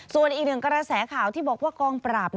ส่วนอีกหนึ่งกระแสข่าวที่บอกว่ากองปราบ